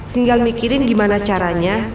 tinggal mikirin gimana caranya